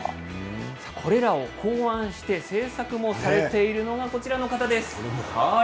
これらを考案して制作されているのがこちらの方です。